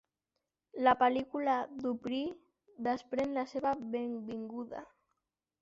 La pel·lícula "Dupree" desprèn la seva benvinguda.